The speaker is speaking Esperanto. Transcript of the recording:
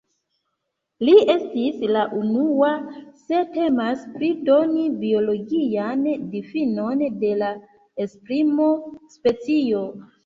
Li estis la unua se temas pri doni biologian difinon de la esprimo "specio".